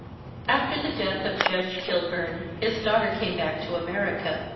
After the death of Judge Kilburn his daughter came back to America.